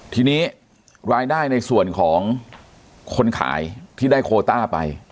ทีนี้รายได้ในส่วนของคนขายที่ได้โคต้าไป